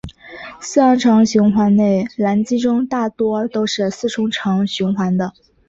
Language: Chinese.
四行程循环内燃机中大多都是四冲程循环的。